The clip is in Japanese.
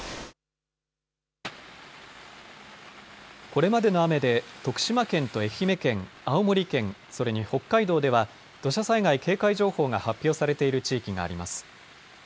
これまでの雨で徳島県と愛媛県、青森県、それに北海道では土砂災害警戒情報が発表されている地域があります。